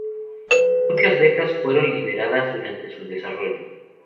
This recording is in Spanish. Muchas betas fueron liberadas durante su desarrollo.